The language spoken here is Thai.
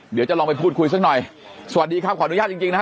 เดี๋ยวจะลองไปพูดคุยสักหน่อยสวัสดีครับขออนุญาตจริงจริงนะฮะ